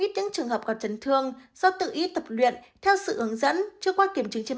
ít những trường hợp gặp chấn thương do tự ý tập luyện theo sự hướng dẫn chứ qua kiểm chứng trên